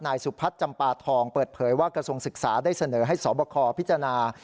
สุพัฒน์จำปาทองเปิดเผยว่ากระทรวงศึกษาได้เสนอให้สอบคอพิจารณา